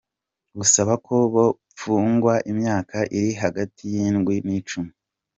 Busaba ko bopfungwa imyaka iri hagati y'indwi n'icumi.